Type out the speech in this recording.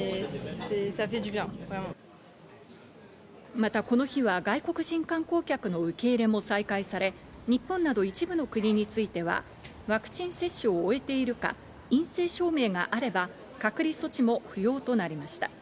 またこの日は、外国人観光客の受け入れも再開され、日本など一部の国についてはワクチン接種を終えているか、陰性証明があれば、隔離措置も不要となりました。